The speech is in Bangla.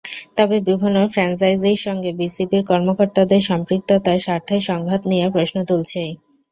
তবে বিভিন্ন ফ্র্যাঞ্চাইজির সঙ্গে বিসিবির কর্মকর্তাদের সম্পৃক্ততা স্বার্থের সংঘাত নিয়ে প্রশ্ন তুলছেই।